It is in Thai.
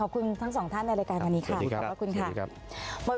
ขอบคุณทั้งสองท่านในรายการวันนี้ค่ะขอบพระคุณค่ะ